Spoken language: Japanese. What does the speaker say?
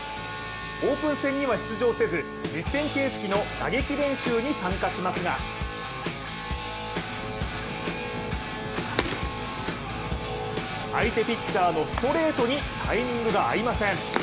オープン戦には出場せず、実戦形式の打撃練習に参加しますが相手ピッチャーのストレートにタイミングが合いません。